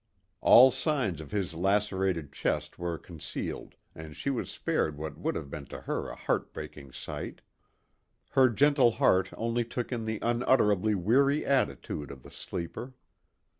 All signs of his lacerated chest were concealed and she was spared what would have been to her a heartbreaking sight. Her gentle heart only took in the unutterably weary attitude of the sleeper.